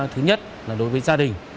thứ nhất là đối với gia đình